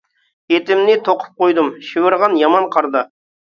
ئېتىمنى توقۇپ قويدۇم، شىۋىرغان يامان قاردا.